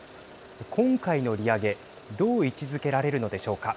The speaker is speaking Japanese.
今回の利上げどう位置づけられるのでしょうか。